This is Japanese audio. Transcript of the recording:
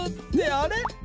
あれ？